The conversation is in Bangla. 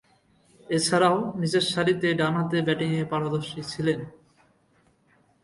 এছাড়াও, নিচেরসারিতে ডানহাতে ব্যাটিংয়ে পারদর্শী ছিলেন।